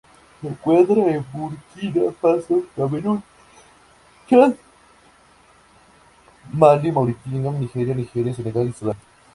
Se encuentra en Burkina Faso, Camerún, Chad, Malí, Mauritania, Níger, Nigeria, Senegal y Sudán.